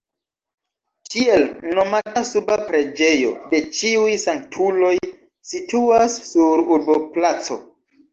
Tiel nomata suba preĝejo de Ĉiuj Sanktuloj situas sur urboplaco.